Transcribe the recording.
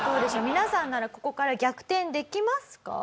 皆さんならここから逆転できますか？